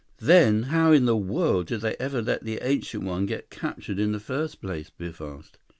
"Then how in the world did they ever let the Ancient One get captured in the first place?" Biff asked.